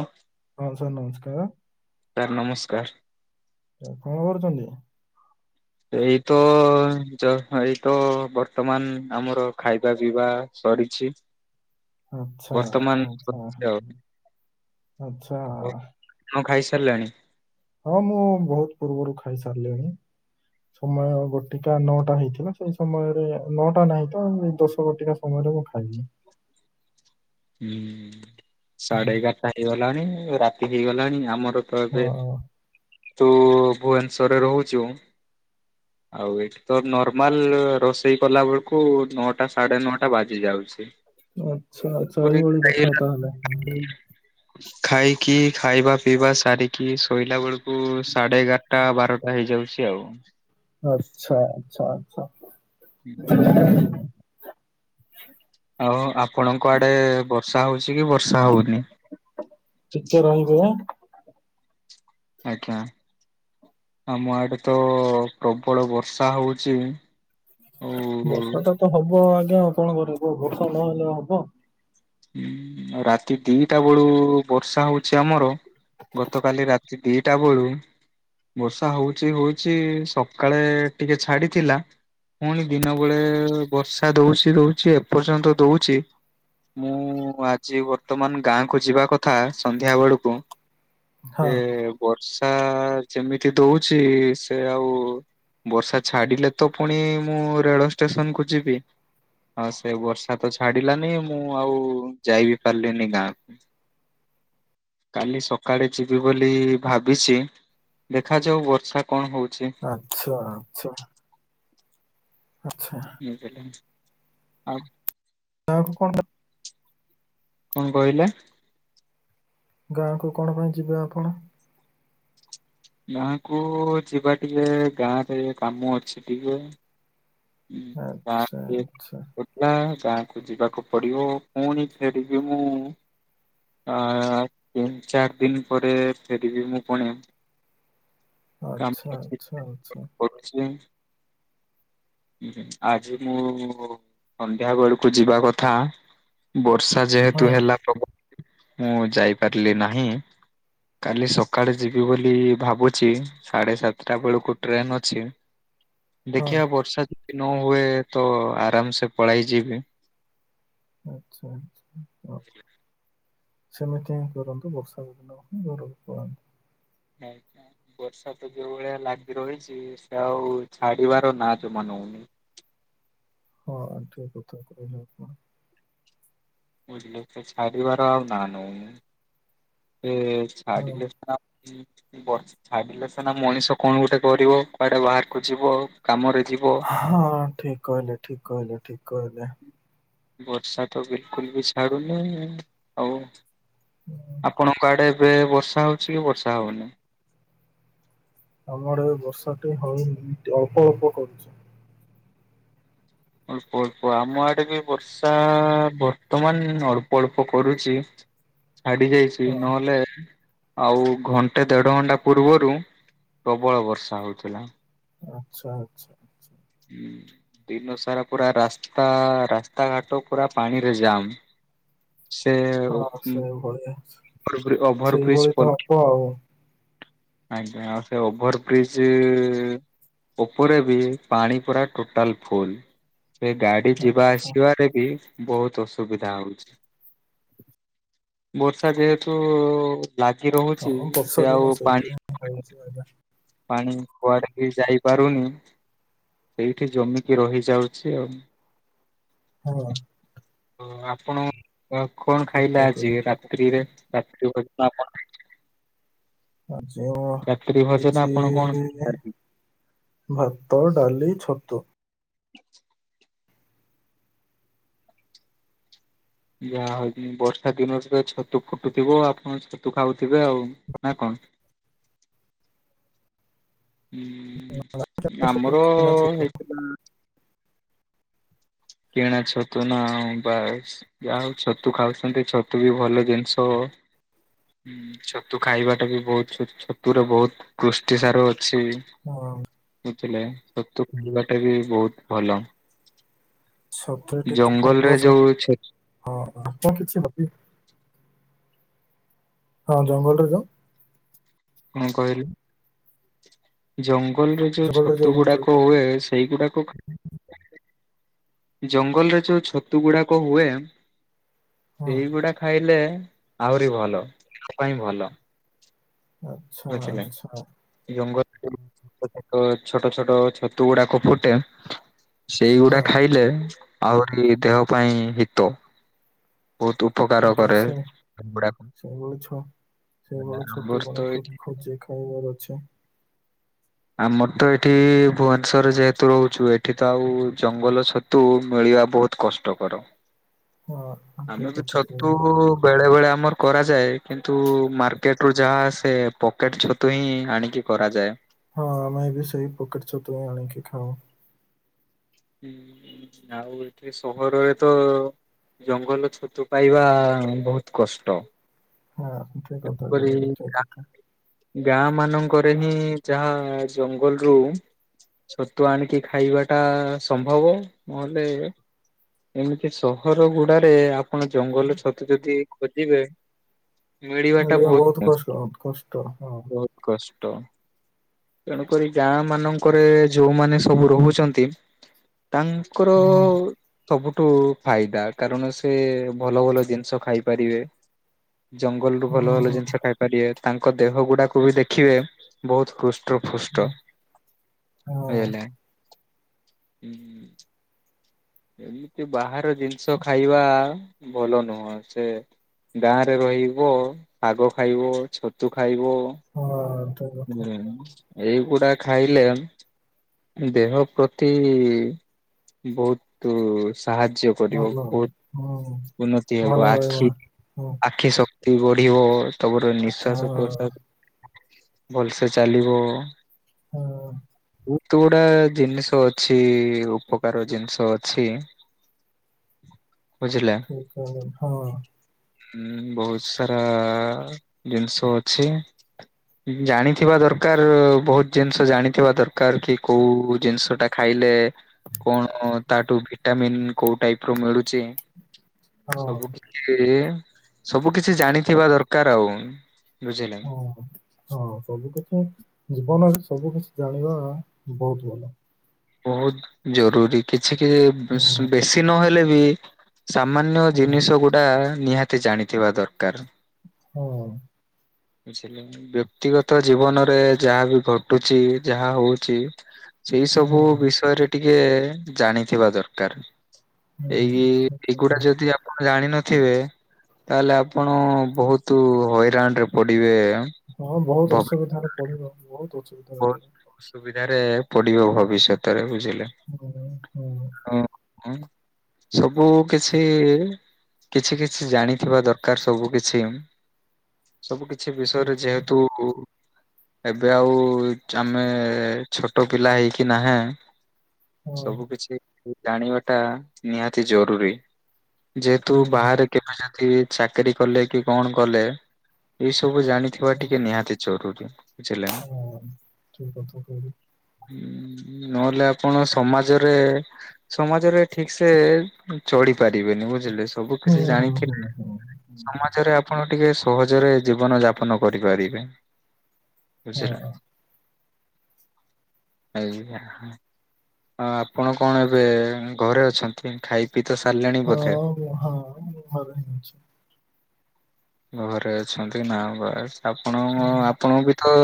ହଁ। ହଁ ସାର୍ ନମସ୍କାର। ସାର୍ ନମସ୍କାର। କଣ କରୁଛନ୍ତି? ଏଇ ତ ଯ ଏଇ ତ ବର୍ତ୍ତମାନ ଆମର ଖାଇବା ପିଇବା ସରିଛି। ଆଚ୍ଛା ଆଚ୍ଛା ବର୍ତ୍ତମାନ ଆଚ୍ଛା ଅଧିକ [inaudible] ଆଉ ଆଚ୍ଛା ମୋ କଁ ଖାଇସାରିଲେଣି? ହଁ ମୁଁ ବହୁତ ପୂର୍ବରୁ ଖାଇସାରିଲିଣିି। ସମୟ ଗୋଟିକା ନଅଟା ହେଇଥିଲା ସେଇ ସମୟରେ ନଅଟା ନାହିଁ ତ ଏଇ ଦଶ ଗୋଟିକା ସ ସମୟରେ ମୁଁ ଖାଇଲି। ହୁଁ ସାଢେ ଏଗାରଟା ହେଇଗଲାଣି ରାତି ହେଇଗଲାଣି ଆମର ତ ଏବେ ହଁ ତୁ ଭୁବନେଶ୍ଵରରେ ରହୁଛୁ? ଆଉ ଏଇଠି ତ ନର୍ମାଲ୍ ରୋଷେଇ କଲା ବେଳକୁ ନଅଟା ସାଢେ ନଅଟା ବାଜି ଯାଉଛି। ଆଚ୍ଛା ଆଚ୍ଛା ଏଇଭଳି କଥା ତାହେଲେ। ହୁଁ ଖାଇକି ଖାଇବା ପିଇବା ସାରିକି ଶୋ ଶୋଇଲା ବେଳକୁ ସାଢେ ଏଗାରଟା ବାରଟା ହେଇଯାଉଛି ଆଉ। ଆଚ୍ଛା ଆଚ୍ଛା ଆଚ୍ଛା। ହୁଁ। ଆଉ ଆପଣଙ୍କ ଆଡେ ବର୍ଷା ହଉଛି କି ବର୍ଷା ହଉନି? ଟିକେ ରହିଥିବେ। ଆଜ୍ଞା। ଆମ ଆଡେ ତ ପ୍ରବଳ ବର୍ଷା ହଉଛି। ଆଉ ବର୍ଷା ଟା ତ ହବ ଆଜ୍ଞା କଣ କରିବ ବର୍ଷା ନହେଲେ ହବ। ହୁଁ ରାତି ଦି ଟା ବେଳୁ ବର୍ଷା ହଉଛି ଆମର। ଗତକାଲି ରାତି ଦି ଟା ବେଳୁ ବର୍ଷା ହଉଛି ହଉଛି ସକାଳେ ଟିକେ ଛାଡିଥିଲା ପୁଣି ଦିନ ବେଳେ ବର୍ଷା ଦଉଛି ଦଉଛି ଏ ପର୍ଯ୍ୟନ୍ତ ଦଉଛି ମୁଁ ଆଜି ବର୍ତ୍ତମାନ ଗାଁ କୁ ଯିବା କଥା ସନ୍ଧ୍ୟା ବେଳକୁ ହଁ ଏ ବର୍ଷା ଯେମିତି ଦଉଛି ସେ ଆଉ ବର୍ଷା ଛାଡିଲେ ତ ପୁଣି ମୁଁ ରେଳ ଷ୍ଟେସନକୁୁ ଯିବି। ହଁ ସେ ବର୍ଷା ତ ଛାଡିଲାନି। ମୁଁ ଆଉ ଯାଇ ବିି ପାରିଲିନି ଗାଁକୁ। କାଲି ସକାଳେ ଯିବି ବୋଲି ଭାବିଚି। ଦେଖାଯାଉ ବର୍ଷା କଣ ହଉଚି। ଆଚ୍ଛା ଆଚ୍ଛା। ଆଚ୍ଛା। ବୁଝିଲେ ଆଜ୍ଞା। ଗାଁକୁ କଣ ପାଇଁ କଁ କହିଲେ? ଗାଁକୁ କଣ ପାଇଁ ଯିବେ ଆପଣ? ଗାଁକୁ ଯିବା ଟିକେ ଗାଁରେ କାମ ଅଛି ଟିକେ। ହୁଁ ଆଚ୍ଛା ଗାଁ ଆଚ୍ଛା କୁ [inaudible] ନା ଗାଁକୁ ଯିବାକୁ ପଡିବ ପୁଣି ଫେରିବି ମୁଁ ଆ ତିନି ଚାରି ଦିନି ପରେ ଫେରିବି ମୁଁ ପୁଣି। ଆଚ୍ଛା, କାମ ଅଛି ଆଚ୍ଛା, ଆଚ୍ଛା। ଯିବାକୁ ପଡୁଚି। ଆଜି ମୁଁ ସନ୍ଧ୍ୟା ବେଳକୁ ଯିବା କଥା ବର୍ଷା ଯେହେତୁ ହଁ, ହେଲା ପ୍ରବଳ ମୁଁ ଯାଇପାରିଲି ନାହିଁ। କାଲି ସକାଳେ ଯିବି ବୋଲି ଭାବୁଚି ସାଢେ ସାତଟା ବେଳକୁ ଟ୍ରେନ୍ ଅଛି। ହଁ। ଦେଖିଆ ବର୍ଷା ଯଦି ନହୁଏ ତ ଆରାମ ସେ ପଳେଇ ଯିବି। ଆଚ୍ଛା ଆଚ୍ଛା। ସେମିତି ହିଁ କରନ୍ତୁ ବର୍ଷା ଯଦି ନହବ ଘରକୁ ପଳାନ୍ତୁ। ହଉ ତାହେଲେ। ବର୍ଷା ତ ଯୋଉଭଳିଆ ଲାଗି ରହିଚି, ସେ ଆଉ ଛାଡିବାର ନାଁ ଜମା ନଉନି। ହଁ ଆଣ୍ଠୁ ଉପୁରୁକୁ ହେଇଥିବ। ବୁଝିଲେ। ସେ ଛାଡ଼ିବାର ଆଉ ନା ନଉନି ଯେ ହଁ, ଛାଡିଲେ [inaudible] ବର୍ଷ ଛାଡିଲେ ସିନା ମଣିଷ କଣ ଗୋଟେ କରିବ କୁଆଡେ ବାହାରକୁ ଯିବ କାମରେ ଯିବ। ହଁ ଠିକ୍ କହିଲେ ଠିକ୍ କହିଲେ ଠିକ୍ କହିଲେ। ବର୍ଷା ତ ବିଲକୁଲ୍ ବି ଛାଡୁନି ଆଉ ହୁଁ, ଆପଣଙ୍କ ଆଡେ କେବେ ବର୍ଷା ହଉଚି କି ବର୍ଷା ହଉନି। ଆମର ଏ ବର୍ଷା ଟିକେ ହଉ ଅଳ୍ପ ଅଳ୍ପ କରୁଚି। ଅଳ୍ପ ଅଳ୍ପ ଆମ ଆଡେ ବି ବଷ୍ ବର୍ଷା ବର୍ତ୍ତମାନ୍ ଅଳ୍ପ ଅଳ୍ପ କରୁଚି ଛାଡି ଯାଇଛି। କି ହଁ, ନ ହେଲେ ଆଉ ଘଣ୍ଟେ ଦେଢ ଘଣ୍ଟା ପୂର୍ବରୁ ପ୍ରବଳ ବର୍ଷା ହଉଥିଲା। ଆଚ୍ଛା ଆଚ୍ଛା। ଆଚ୍ଛା। ହୁଁ। ଦିନସାରା ପୁରା ରାସ୍ତା ରାସ୍ତାଘାଟ ପୁରା ପାଣିରେ ଜାମ୍। ସେ ହଁ ସେଇଭଳି ଅଛି ଓଭର ବ୍ରିଜ ସେଇଭଳି ତ ହବ ଆଉ। ଆଜ୍ଞା। ଆଉ ସେ ଓଭରବ୍ରିଜ୍ ଉପରେ ବି ପାଣି ପୁରା ଟୋଟାଲ୍ ଫୁଲ୍ ସେ ଗାଡ୍ ଗାଡି ରେ ଯିବା ଆଚ୍ଛା। ଆସିବାରେ ବି ବହୁତୁ ଅସୁବିଧା ହଉଚି, ବର୍ଷା ଯେହେତୁ ଲାଗି ରହୁଚି ସେ ଆଉ ପାଣି ହଉଚି ଆଜ୍ଞା। ପାଣି କୁଆଡେ ବି ଯାଇପାରୁନି ସେଇଠି ଜମିକି ରହିଯାଉଛି ଆଉ ହଁ। ଆପଣ କଣ ଠିକ୍ ଖାଇଲେ କଥା ଆଜି କହିଲେ, ଠିକ୍ କଥା ରାତ୍ରିରେ? କହିଲେ। [unintelligible] ରାତ୍ରି ଭୋଜନ ଆପଣ କଣ [unintelligible] ଖାଇଲେ? ଭାତ ଡାଲି ଛତୁ। [inaudible] ଯାହା ହଉଛି ବର୍ଷା ଦିନରେ ତ ଛତୁ ଫୁଟୁଥିବ ଆପଣ ଛତୁ ଖାଉଥିବେ ଆଉ ନା କଣ? ହୁଁ ଛତୁ ଆମର କିଣା ଛତୁ ହେଇଥିଲା। କିଣାଛତୁ ନା ଆଉ ବାସ୍ ଯାହା ହଉ ଛତୁ ଖାଉଛନ୍ତି ଛତୁ ବି ଭଲ ଜିନିଷ। ହଁ ଛତୁ ଖାଇବାଟା ବି ବହୁତଛ ଛତୁ ରେ ବହୁତ ପୁଷ୍ଟିସାର ଅଛି। ହଁ। ବୁଝିଲେ ଛତୁ ଖାଇବାଟା ବି ବହୁତ ଭଲ। ଛତୁରେ ଟିକେ ଜଙ୍ଗଲରେ ଫଙ୍ଗସ ଯୋଉ ଛ ହଁ ଆପଣ କିଛି ଭାବି ହଁ ଜଙ୍ଗଲରେ ତ କଣ କହିଲୁ ଜଙ୍ଗଲରେ ଯୋଉ ଜଙ୍ଗଲରେ ଯାଉ ଛତୁ କଣ କହିଲେ ଗୁଡାକ ଆପଣ ହୁଏ। ସେଇଗୁଡାକ ଜଙ୍ଗଲରେ ଯୋଉ ଛତୁ ଗୁଡାକ ହୁଏ। ହଁ ସେଇଗୁଡା ଖାଇଲେ ଆହୁରି ଭଲ ଦେହ ପାଇଁ ଭଲ। ଆଚ୍ଛା ଆଚ୍ଛା। ଜଙ୍ଗଲରେ ଛୋଟ ଛୋଟ ଛତୁ ଗୁଡାକ ଫୁଟେ। ସେଇଗୁଡା ହଁ ଖାଇଲେ ଆହୁରି ଦେହ ପାଇଁ ହିତ ବହୁତ। ଉପକାର ଆଜ୍ଞା କରେ ସେ ଗୁଡାକ ସେଇଭଳି ଛ ସେଇଭଳି ଛତୁ ଆମର କଣ ତ ଫୁଟ। ଏଇଠି ଖୋଜି ଖାଇବାର ଅଛି। ଆମର ତ ଏଠି ଭୁବନେଶ୍ୱରରେ ଯେହେତୁ ରହୁଛୁ ଏଠି ତ ଆଉ ଜଙ୍ଗଲ ଛ ତୁ ମିଳିବା ବହୁତ କଷ୍ଟକର ହଁ ଠିକ ଆମେ ତ କଥା ଛତୁ କହିଲେ ବେଳେ ବେଳେ ଆମର କରାଯାଏ କିନ୍ତୁ ମାର୍କେଟରୁୁ ଯାହା ସେ। ପକେଟ ଛତୁ ହିଁ ଆଣିକି କରାଯାଏ। ହଁ ଆମେ ବି ସେଇ ପକେଟ ଛତୁ ଆଣିକି ଖାଉ। ସହରରେ ତ ଜଙ୍ଗଲ ଛତୁ ପାଇବା ବହୁତ କଷ୍ଟ। ହଁ ଠିକ କଥା ତେଣୁକରି କହିଲ ଠିକ କଥା। ଗାଁ ମାନଙ୍କରେ ହିଁ ଯାହା ଜଙ୍ଗଲରୁୁ ଛତୁ ଆଣିକି ଖାଇବା ଟା ସମ୍ଭବ ନହେଲେ। ଏମିତି ସହର ଗୁଡାରେ ଆପଣ ଜଙ୍ଗଲ ଛତୁ ଯଦି ଖୋଜିବେ। ମିଳିବାଟା ମିଳିବା ବହୁତ କଷ୍ଟ ବହୁକଷ୍ଟ କଷ୍ଟ ହଁ ବହୁତ କଷ୍ଟ। ତେଣୁକରି ଗାଁ ମାନଙ୍କରେ ଯୋଉମାନେ ସବୁ ରହୁଛନ୍ତି। ତାଙ୍କର ହୁଁ ସବୁଠୁ ଫାଇଦା। କାରଣ ସେ ଭଲ ଭଲ ଜିନିଷ ଖାଇପାରିବେ। ଜଙ୍ଗଲରୁୁ ଭଲ ଭଲ ହୁଁ ଜିନିଷ ଖାଇପାରିବେ ତାଙ୍କ ଦେହ ଗୁଡାକୁ ବି ଦେଖିବେ ବହୁତ ହୁଷ୍ଟ ହୃଷ୍ଟ ପୃଷ୍ଟ ହୁଁ, ହଁ। ଏମିତି ବାହାର ଜିନିଷ ଖାଇବା ଭଲ ନୁହଁ ସେ ଗାଁରେ ରହିବ ଶାଗ ଖାଇବ ଛତୁ ଖାଇବ। ହଁ ଠିକ [unintelligible] ଏଇଗୁଡା ଖାଇଲେ ଦେହ ପ୍ରତି ବୋହୁତ ସାହାଯ୍ୟ। କରିବ ଭଲ ହୁଁ ବୋହୁତ ଉନ୍ନତି ଭଲ ହେବ ରହିବ। ଆଖି ହଁ ଆଖି ବଢିବ ତମର ନିଃଶ୍ଵାସ ହଁ ପ୍ରସା ଭଲସେ ଚାଲିବ। ହଁ। ତୁ ଗୁଡା ଜିନିଷ ଅଛି ଉପକାର ଜିନିଷ ଅଛି। ହ [inaudible] ଠିକ୍ ହଁ। ହୁଁ ବୋହୁତ ସାରା ଜିନିଷ ଅଛି। ଜାଣିଥିବା ଦରକାର ବୋହୁତ ଜିନିଷ ଜାଣିଥିବା ଦରକାର କି କୋଉ ଜିନିଷ ଟା ଖାଇଲେ କଣ ତାଠୁ ଭିଟାମିନ୍ କୋଉ ଟାଇପ୍ ର ମିଳୁଛି। ହଁ ଇଏ ସବୁ କିଛି ଜାଣିଥିବା ଦରକାର ଆଉ ବୁଝିଲେ। ହଁ ସବୁ କିଛି ଜୀବନରେ ସବୁ କିଛି ଜାଣିବା ବୋହୁତ ଭଲ। ବୋହୁତ ଜରୁରୀ କିଛି କିଛି ହଁ ବେଶୀ ନହେଲେ ବି ସାମାନ୍ୟ ହଁ ଜିନିଷ ଗୁଡା ନିହାତି ଜାଣିଥିବା ଦରକାର। ହଁ। ବୁଝିଲେ ବ୍ୟକ୍ତିଗତ ଜୀବନରେ ଯାହା ବି ଘଟୁଛି ଯାହା ହୋ ଉଛି - ସେଇ ହୁଁ ସବୁ ବିଷୟରେ ଟିକେ ଜାଣିଥିବା ଦରକାର। ହୁଁ। ଏଇ ଠିକ୍ କହିଲ। ଏଇଗୁଡା ଯଦି ଆ ଆପଣ ଜାଣିନଥିବେ ତାହେଲେ ଆପଣ ବୋହୁତ ହଇରାଣ ରେ ପଡିବେ। ହଁ ବୋହୁତ ଅସୁବିଧାରେ ପଡିବ ବୋହୁତ ହୋଉଛି। ବୋହୁତ ଅସୁବିଧାରେ ପଡିବ ଭବିଷ୍ୟତରେ ବୁଝିଲେ। ହୁଁ ହୁଁ। ହଁ ସବୁ କିଛି କିଛି କିଛି ଜାଣିଥିବା ଦରକାର ସବୁ କିଛି। ସବୁ କିଛି ଠିକ ବିଷୟରେ କଥା ଯେହେତୁ ଏବେ ଆଉ ଆମେ ଛୋଟ ପିଲା ହେଇକି ନାହେଁ। [inaudible] ହଁ ସବୁ କିଛି ଜାଣିବା ଟା ନିହାତି ଜରୁରୀ ଯେହେତୁ ହୁଁ ବାହାରେ କେବେ ଯଦି ଚାକିରୀ କଲେ କି କଣ କଲେ ଏଇ ସବୁ ଜାଣି ଥିବା ଟିକେ ନିହାତି ଜରୁରୀ ବୁଝିଲେନା? ହଁ। ଠିକ କଥା କହିଲୁ ନହେଲେ ଆପଣ ସମାଜରେ ସମାଜରେ ଠିକ୍ ସେ ଚଳି ପାରିବେନି ବୁଝ ବୁଝିଲେ ସବୁ ହୁଁ କିଛି ହୁଁ ଜାଣିଥିଲେ ହୁଁ ହୁଁ ସମାଜରେ ଆପଣ ଟିକେ ସହଜରେ ଜୀବନ ଯାପନ କରିପାରିବେ ବୁଝିଲେ। ହଁ। ଆଜ୍ଞା ଆପଣଙ୍କୁ କଣ ଏବେ ଘରେ ଅଛନ୍ତି ଖାଇ ପିଇ ତ ସାରିଲେଣି ବୋଧେ? ହଁ ହଁ ମୁଁ ଘରେ ହିଁ ଅଛି। ଘରେ ଅଛନ୍ତି ନା ଘରେ ଆପଣ ହୁଁ, ଆପଣ ବି ତ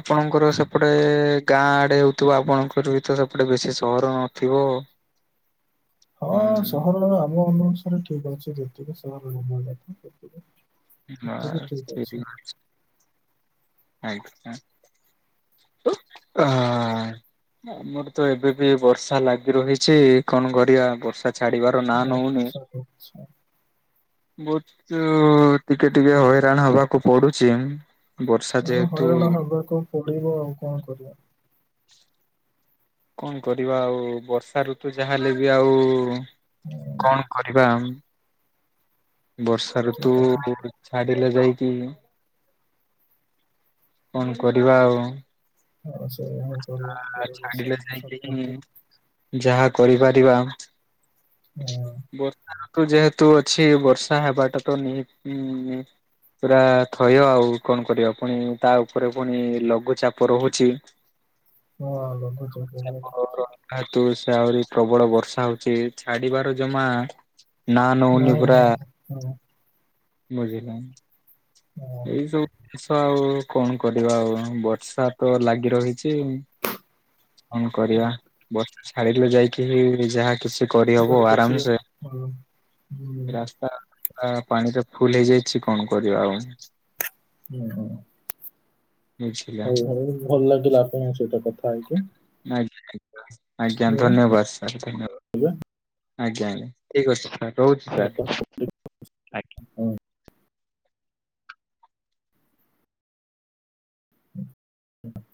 ଆପଣଙ୍କର ସେପଟେ ଗାଁ ଆଡ଼େ ହୋଉଥିବ ଆପଣଙ୍କର ବି ତ ସେପଟେ ବେଶୀ ସହର ନଥିବ। [unintelligible] ହଁ ସହରରେ ହୁଁ ଆମ ଅନୁସାରେ ଠିକ୍ ଅଛି ଯେତିକି ସହର ହେବା କଥା। ହଁ ଠୀକ୍ ହିଁ ଅଛି ଆଜ୍ଞା। ଉ ଆ ଆମର ତ ଏବେ ବି ବର୍ଷା ଲାଗି ରହିଛି କଣ କରିଆ ବର୍ଷା ଛାଡିବାର ନାଁ ନଉନି। ଆଚ୍ଛା ଆଚ୍ଛା। ବହୁତ ଟିକେ ଟିକେ ହଇରାଣ ହବାକୁ ପଡୁଛି। ବର୍ଷା ହଁ ଯେହେତୁ ହଇରାଣ ହବାକୁ ପଡିବ ଆଉ କଣ କରିବା। କଣ କରିବା ଆଉ ବର୍ଷା ଋତୁ ଯାହା ହେଲେ ବି ଆଉ ହୁଁ କଣ କରିବା ବର୍ଷା ଠିକ୍ ଋତୁ କଥା ଛାଡିଲେ ଯାଇକି କଣ କରିବା ଆଉ। ହଁ ସେଇଆ କରିବାକୁ ଆ ପଡିବ ଛାଡିଲେ ବର୍ଷା ଯାଇକି ଋତୁ [inaudible] ଯାହା କରିପାରିବା ହଁ ବର ଋତୁ ଯେହେତୁ ଅଛି ବର୍ଷା ହେବାଟା ତ ନିହାତି ପୁରା ଥୟ ଆଉ କଣ କରିବା ପୁଣି ତା ଉପରେ ପୁଣି ଲଘୁଚାପ ରହୁଛି। ହଁ ଲଘୁଚା ଆମ ରହିବା ହେତୁ ସେ ଆହୁରି ପ୍ରବଳ ବର୍ଷା ହଉଛି ଛାଡିବାର ଜମା ନା ନ ନଉନି ପୁରା ନ ହଁ [inaudible] ବୁଝିଲ [inaudible] ଏଇ ସବୁ ଜିନିଷ ଆଉ କଣ କରିବା ଆଉ ବର୍ଷା ତ ଲାଗି ରହିଛି। କଣ କରିବା ହଁ ବର୍ଷା ଛାଡିଲେ ଯାଇ ଏଇଠି ଯାହା କିଛି କରିହବ ଯାହା କିଛି ଆରାମ ସେ ହଁ ହୁଁ ରାସ ପାଣିରେ ଫୁଲ ହେଇଯାଇଛି କଣ କରିବା ଆଉ? ହୁଁ ହ ବୁଝିଲା ହଉ ହଉ ଭଲ ଲାଗିଲା ଆପଣଙ୍କ ସହିତ କଥା ହେଇକି। ଆଜ୍ଞା ଆଜ୍ଞା ମୁଁ ଧନ୍ୟବାଦ ସାର୍ ଧନ୍ୟବାଦ। ଏବେ ଆଜ୍ଞା ଆଜ୍ଞା ଠିକ ଅଛି ସାର୍ ରହୁଛି ସାର୍ ବର୍ତ୍ତମାନ ଆଜ୍ଞା। ହୁଁ [inaudible]